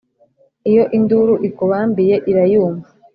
iyo induru ikubambiye irayumva